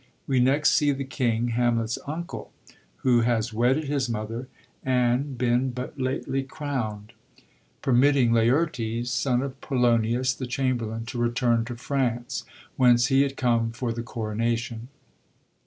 We next see the king, Hamlet's uncle, who has wedded his mother and been but lately crownd, "7 HAMLET permitting Laertes, son of Polonius, the chamberlain, to return to France, whence he had come for the coronation.